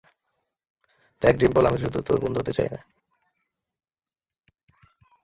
দেখ ডিম্পল, আমি শুধু তোর বন্ধু হতে চাই না।